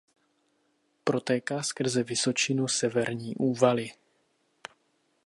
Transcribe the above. Protéká skrze vysočinu Severní Úvaly.